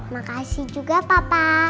makasih juga papa